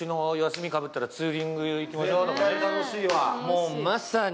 もうまさに。